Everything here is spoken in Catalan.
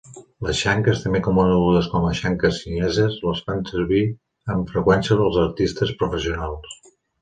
Les xanques, també conegudes com a "xanques xineses", les fan servir amb freqüència els artistes professionals.